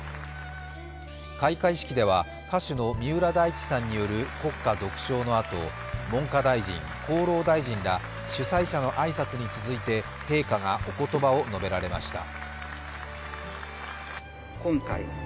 開会式では歌手の三浦大知さんの国歌独唱のあと、文科大臣、厚労大臣ら主催者の挨拶に続いて、陛下がおことばを述べられました。